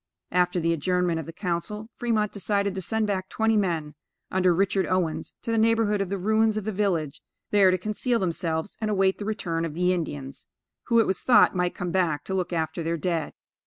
After the adjournment of the council, Fremont decided to send back twenty men, under Richard Owens, to the neighborhood of the ruins of the village, there to conceal themselves and await the return of the Indians; who, it was thought, might come back to look after their dead.